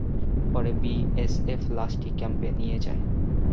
পরে বিএসএফ লাশটি ক্যাম্পে নিয়ে যায়।